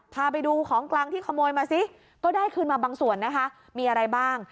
พาไปดูของกลางที่ขโมยมาซิก็ได้คืนมาบางส่วนนะคะมีอะไรบ้าง